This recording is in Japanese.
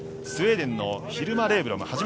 スウェーデンのヒルマ・レーブロム。